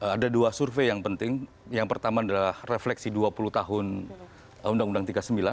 ada dua survei yang penting yang pertama adalah refleksi dua puluh tahun undang undang tiga puluh sembilan